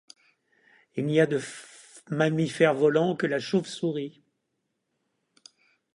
Il n’y a de mammifère volant que la chauve-souris.